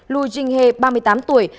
lu jing he ba mươi tám tuổi